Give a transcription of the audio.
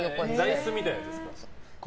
座椅子みたいなやつですか？